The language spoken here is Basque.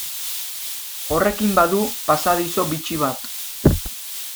Horrekin badu pasadizo bitxi bat.